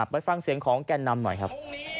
ไปฟังเสียงของแก่นนำหน่อยครับ